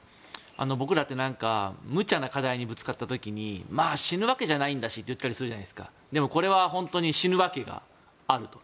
僕らって無茶な課題にぶつかった時にまあ、死ぬわけじゃないんだしと言ったりするじゃないですかでもこれは本当に死ぬわけがあると。